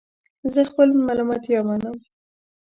زه خپل ملامتیا منم